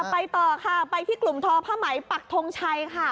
ไปต่อค่ะไปที่กลุ่มทอผ้าไหมปักทงชัยค่ะ